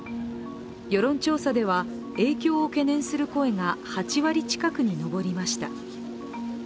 世論調査では、影響を懸念する声が８割近くに上りました。